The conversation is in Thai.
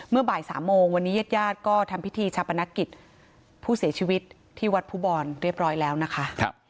เมื่อบ่ายสามโมงวันนี้เย็ดยาดก็ทำพิธีชับอนักกิจผู้เสียชีวิตที่วัดภูบอลเรียบร้อยแล้วนะคะ